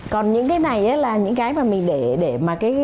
còn những cái này là những cái mà mình để mà